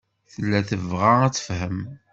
Tella tebɣa ad tefhem.